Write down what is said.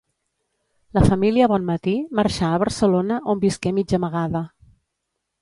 La família Bonmatí marxà a Barcelona, on visqué mig amagada.